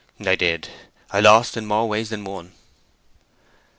"I did. I lost in more ways than one."